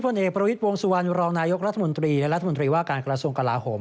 เอกประวิทย์วงสุวรรณรองนายกรัฐมนตรีและรัฐมนตรีว่าการกระทรวงกลาโหม